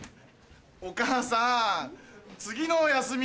お母さん次の休み